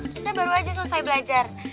kita baru aja selesai belajar